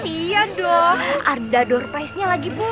iya dong ada door price nya lagi bu